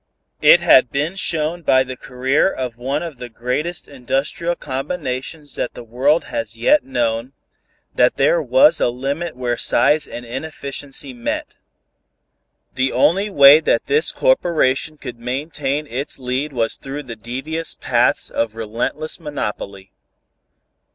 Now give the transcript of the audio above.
It had been shown by the career of one of the greatest industrial combinations that the world has yet known, that there was a limit where size and inefficiency met. The only way that this corporation could maintain its lead was through the devious paths of relentless monopoly.